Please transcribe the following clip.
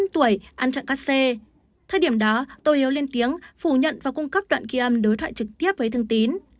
tô hiếu lên tiếng phủ nhận và cung cấp đoạn kỳ âm đối thoại trực tiếp với thương tín